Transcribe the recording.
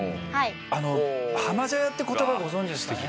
あの浜茶屋って言葉ご存じですかね？